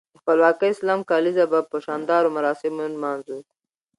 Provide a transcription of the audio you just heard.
د خپلواکۍ سلم کاليزه به په شاندارو مراسمو نمانځو.